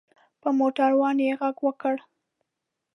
په موټر وان یې غږ وکړ.